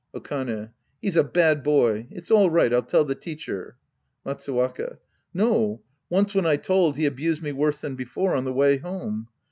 Okane. He's a bad boy. It's all right. I'll tell the teacher. Matsuwaka. No. Once when I told, he abused me worse than before on the way home.